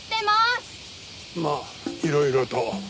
まあいろいろと。